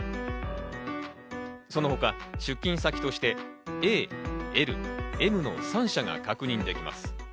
その他、出金先としてＡ、Ｌ、Ｍの３社が確認できます。